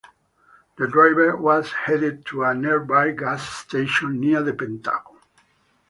The driver was headed to a nearby gas station, near the Pentagon.